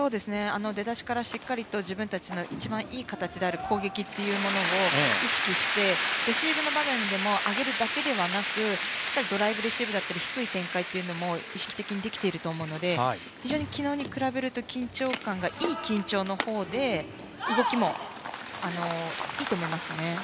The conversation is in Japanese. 出だしからしっかりと自分たちの一番いい形である攻撃を意識してレシーブ場面でも上げるだけではなくドライブレシーブだったり低い展開も意識的にできていると思うので非常に昨日に比べると緊張感が、いい緊張のほうで動きも、いいと思いますね。